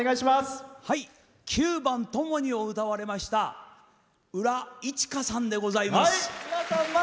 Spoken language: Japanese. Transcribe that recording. ９番「倶に」を歌われましたうらさんでございます。